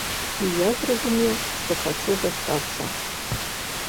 І я зразумеў, што хачу застацца.